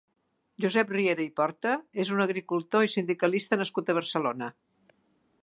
Josep Riera i Porta és un agricultor i sindicalista nascut a Barcelona.